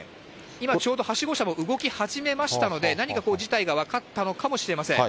今ちょうどはしご車も動き始めましたので、何か事態が分かったのかもしれません。